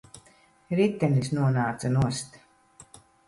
Ritenis nonāca nost.